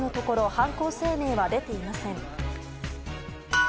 犯行声明は出ていません。